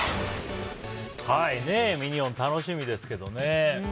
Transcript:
ミニオン、楽しみですけどね。